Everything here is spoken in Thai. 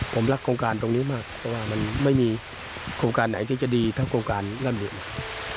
ผมรักโครงการตรงนี้มากเพราะว่ามันไม่มีโครงการไหนที่จะดีเท่าโครงการร่ำเรียน